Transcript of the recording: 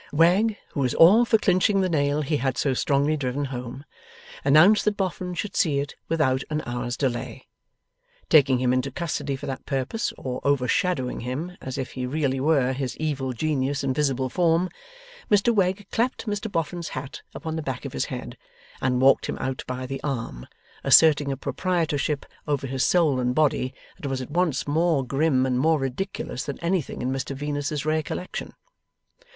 Wegg, who was all for clinching the nail he had so strongly driven home, announced that Boffin should see it without an hour's delay. Taking him into custody for that purpose, or overshadowing him as if he really were his Evil Genius in visible form, Mr Wegg clapped Mr Boffin's hat upon the back of his head, and walked him out by the arm, asserting a proprietorship over his soul and body that was at once more grim and more ridiculous than anything in Mr Venus's rare collection.